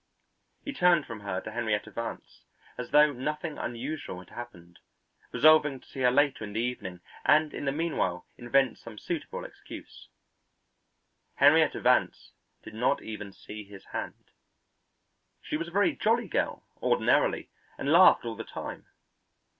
He turned from her to Henrietta Vance as though nothing unusual had happened, resolving to see her later in the evening and in the meanwhile invent some suitable excuse. Henrietta Vance did not even see his hand; she was a very jolly girl, ordinarily, and laughed all the time.